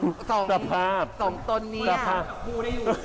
พี่บอกว่าบ้านทุกคนในที่นี่